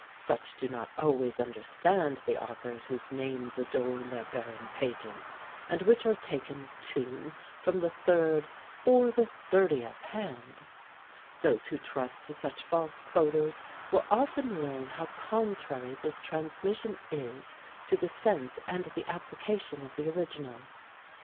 Such do not always understand the authors whose names adorn their barren pages, and which are taken, too, from the third or the thirtieth hand. Those who trust to such false quoters will often learn how contrary this transmission is to the sense and the application of the original.